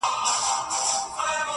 زما له ملا څخه په دې بد راځي~